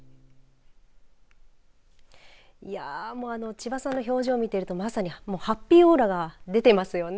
千葉さんの表情を見ているとまさにハッピーオーラが出ていますよね。